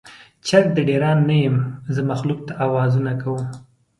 چرګ د ډیران نه یم، زه مخلوق ته اوازونه کوم